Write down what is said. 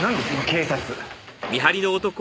警察。